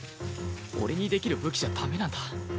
俺にできる武器じゃ駄目なんだ。